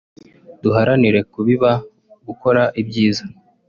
Duharanire kubiba (gukora) ibyiza